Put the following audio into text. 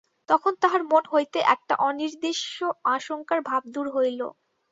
তখন তাঁহার মন হইতে একটা অনির্দেশ্য আশঙ্কার ভাব দূর হইল।